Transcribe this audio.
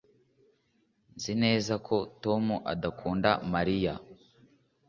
Nzi neza ko Tom akunda Mariya